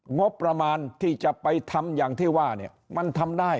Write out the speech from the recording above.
งบประมาณที่จะไปทำอย่างที่ว่าเนี่ยมันทำได้